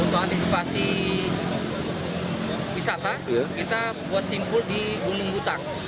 untuk antisipasi wisata kita buat simpul di gunung butang